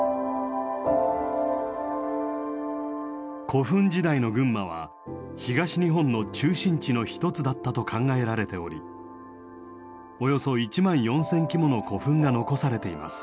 古墳時代の群馬は東日本の中心地の一つだったと考えられておりおよそ１万４，０００基もの古墳が残されています。